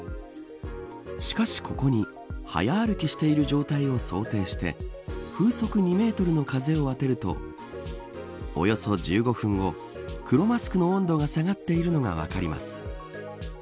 しかし、ここに早歩きしている状態を想定して風速２メートルの風を当てるとおよそ１５分後黒マスクの温度が下がっているのが分かります。